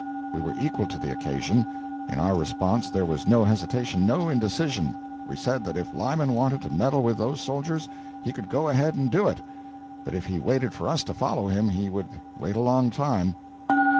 We were equal to the occasion. In our response there was no hesitation, no indecision: we said that if Lyman wanted to meddle with those soldiers, he could go ahead and do it; but if he waited for us to follow him, he would wait a long time.